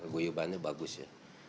guyubannya bagus ya